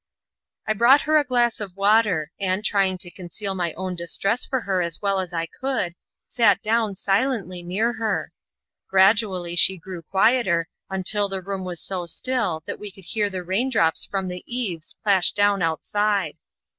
I brought her a glass of water, and, trying to conceal my own distress for her as well as I could, sat down, silently, near her. Gradually she grew quieter, until the room was so still that we could hear the raindrops from the eaves plash down outside.